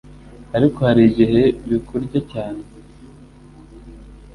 ariko hari igihe bikurya cyane